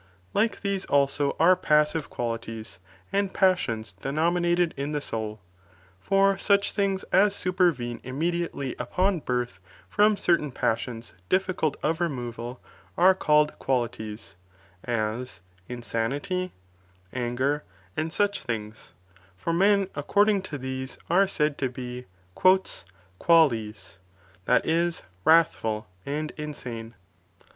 Like these also are ^ passive qualities, and passions denominated in the iim aouL For such things as supervene immediately ""* npon birth from certain passions difficult of removal, are called qualities ; as insanity, anger, and such things, for men ac cording to these are said to he " quales," that is, wrathful and insane.